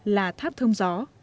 là tháp thông gió